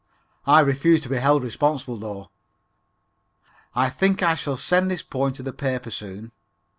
I refuse to be held responsible though. I think I shall send this poem to the paper soon.